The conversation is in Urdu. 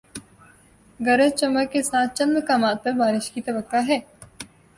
گرج چمک کے ساتھ چند مقامات پر بارش کی توقع ہے